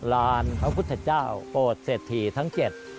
รานของพระพุทธเจ้าโปรดเสถีทั้ง๗